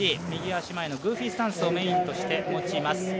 右足前のグーフィースタンスをメインとして持ちます。